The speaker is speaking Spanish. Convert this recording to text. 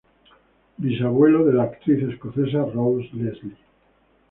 Bisabuelo de la actriz escocesa Rose Leslie.